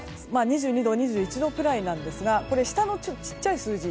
２２度、２１度くらいなんですが下の小さい数字